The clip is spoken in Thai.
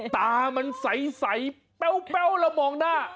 ตามันใสแป้วแล้วมองหน้า